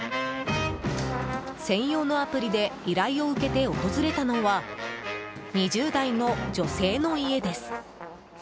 専用のアプリで依頼を受けて訪れたのは２０代の女性の家です。